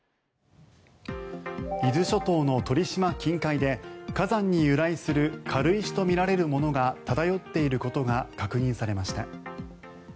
伊豆諸島の鳥島近海で火山に由来する軽石とみられるものが漂っていることが確認されました。